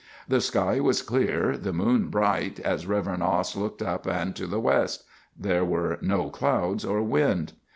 The sky was clear, the moon bright, as Rev. Ost looked up and to the west. There were no clouds or wind.